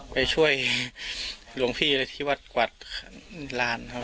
ไปช่วยหลวงพี่ที่วาดกวาดค่ะ